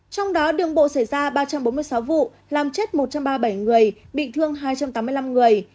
trong đó đường bộ xảy ra ba trăm bốn mươi sáu vụ làm chết một trăm ba mươi bảy người bị thương hai trăm tám mươi năm người